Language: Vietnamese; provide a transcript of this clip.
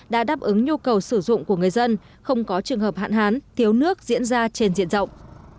đã đáp ứng nhu cầu sử dụng của người dân không có trường hợp hạn hán thiếu nước diễn ra trên diện rộng